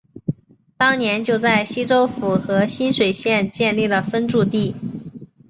当年就在沂州府和沂水县建立了分驻地。